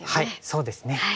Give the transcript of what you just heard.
そうですね。